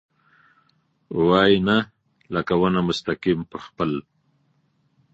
وايي ، نه ، لکه ونه مستقیم په خپل ...